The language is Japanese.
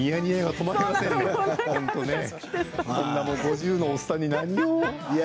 こんな５０のおっさんに。